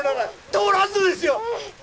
通らんのですよ